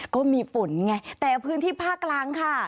ก็มีฝนไงแต่พื้นที่ภาคกลางค่ะ